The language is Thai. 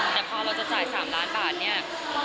แต่พอเราจะจ่าย๓ล้านบาทเนี่ย